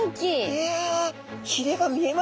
いやひれが見えますね。